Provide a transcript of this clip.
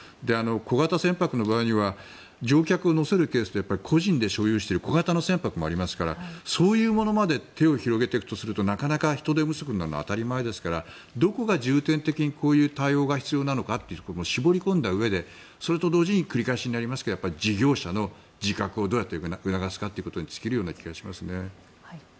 小型船舶の場合には乗客を乗せるケースと個人で所有している小型の船舶もありますからそういうものまで手を広げていくとするとなかなか人手不足になるのは当たり前ですからどこが重点的にこういう対応が必要なのかと絞り込んだうえで、それと同時に繰り返しになりますが事業者の自覚をどうやって促すかということに尽きるような気がしますね。